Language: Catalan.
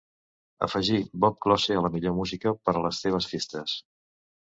afegir bob klose a la millor música per a les teves festes